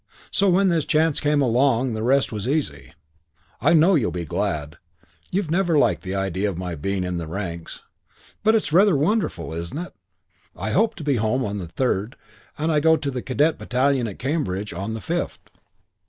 So when this chance came along the rest was easy. I know you'll be glad. You've never liked the idea of my being in the ranks. But it's rather wonderful, isn't it? I hope to be home on the third and I go to the Cadet battalion, at Cambridge, on the fifth."